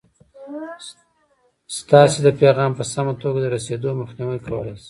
ستاسې د پیغام په سمه توګه د رسېدو مخنیوی کولای شي.